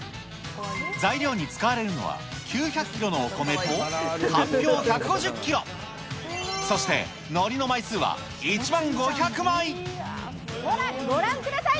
材料に使われるのは、９００キロのお米とかんぴょう１５０キロ、そして、ほら、ご覧ください。